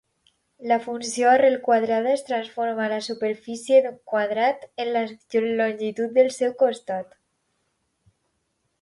La funció arrel quadrada transforma la superfície d'un quadrat en la longitud del seu costat.